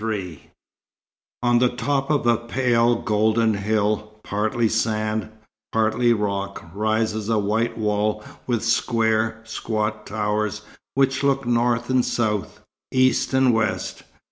XXIII On the top of a pale golden hill, partly sand, partly rock, rises a white wall with square, squat towers which look north and south, east and west.